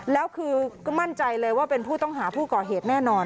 แล้วคือก็มั่นใจเลยว่าเป็นผู้ต้องหาผู้ก่อเหตุแน่นอน